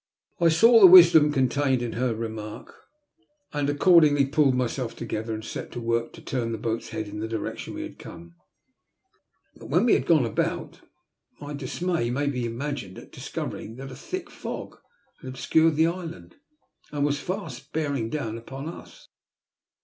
I saw the wisdom contained in her remark^ and A BITTER DISAPPOINTMENT. 185 accordingly pulled myself together and set to work to turn the boat's head in the direction we had come. But when we had gone dbout, my dismay may be imagined at discovering that a thick fog had obscured the island, and was fast bearing down upon us.